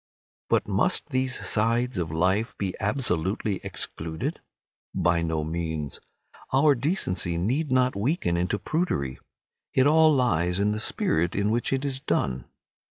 But must these sides of life be absolutely excluded? By no means. Our decency need not weaken into prudery. It all lies in the spirit in which it is done.